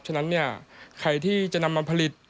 ฉะนั้นเนี่ยใครที่จะนำมาผลิต